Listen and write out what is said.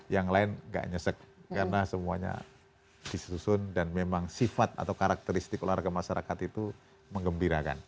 yang lain gak nyesek karena semuanya disusun dan memang sifat atau karakteristik olahraga masyarakat itu mengembirakan